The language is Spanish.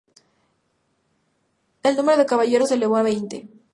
El número de caballeros se elevó a veinte.